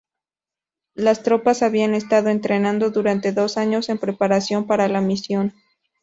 Las tropas habían estado entrenando durante dos años en preparación para la misión.